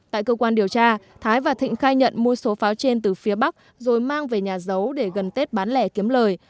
tại cơ quan điều tra thái và thịnh khai nhận mua số pháo trên từ phía bắc rồi mang về nhà giấu để gần tết bán lẻ kiếm lời